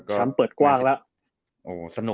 ทำเปิดกว้างแล้ว